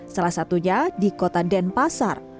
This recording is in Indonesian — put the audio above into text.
salah satunya di kota denpasar